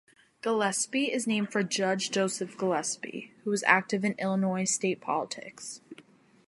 Gillespie is named for Judge Joseph Gillespie, who was active in Illinois state politics.